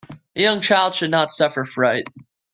A young child should not suffer fright.